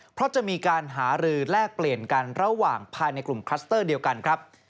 เพราะจะมีการหารือแลกเปลี่ยนกันระหว่างภายในกลุ่มคลัสเตอร์เดียวกันครับ